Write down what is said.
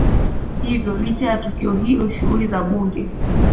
hivyo licha ya tukio hilo shughuli za bunge